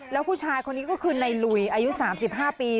แล้วผู้ชายคนนี้ก็คือในลุยอายุ๓๕ปี